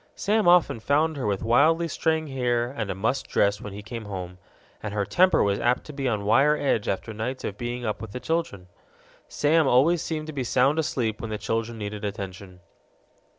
Sam often found her with wildly straying hair and a mussed dress when he came home, and her temper was apt to be on wire edge after nights of being up with the children. Sam always seemed to be sound asleep when the children needed attention.